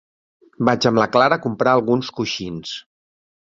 Vaig amb la Clara a comprar alguns coixins.